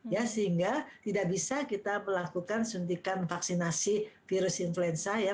ya sehingga tidak bisa kita melakukan suntikan vaksinasi virus influenza ya